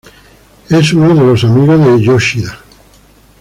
Es uno de los amigos de Yoshida.